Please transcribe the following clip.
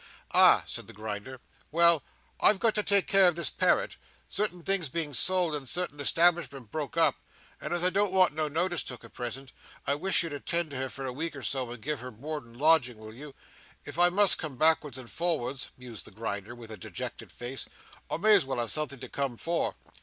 "Ah!" said the Grinder. "Well, I've got to take care of this parrot—certain things being sold, and a certain establishment broke up—and as I don't want no notice took at present, I wish you'd attend to her for a week or so, and give her board and lodging, will you? If I must come backwards and forwards," mused the Grinder with a dejected face, "I may as well have something to come for."